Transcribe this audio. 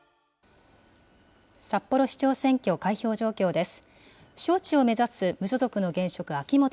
札幌市長選挙、開票状況です。